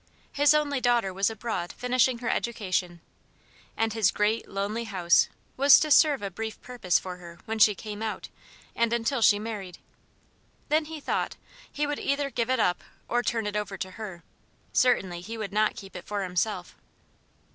His only daughter was abroad finishing her education; and his great, lonely house was to serve a brief purpose for her when she "came out" and until she married. Then, he thought, he would either give it up or turn it over to her; certainly he would not keep it for himself.